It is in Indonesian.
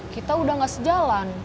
kita udah gak sejalan